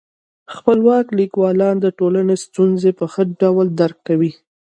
خپلواک لیکوالان د ټولني ستونزي په ښه ډول درک کوي.